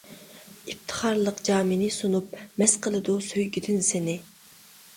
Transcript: ئىپتىخارلىق جامىنى سۇنۇپ، مەست قىلىدۇ سۆيگۈدىن سېنى.